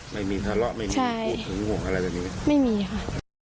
ไม่มีทะเลาะไม่มีพูดถึงห่วงอะไรแบบนี้ไม่มีค่ะ